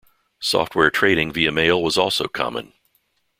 Software trading via mail was also common.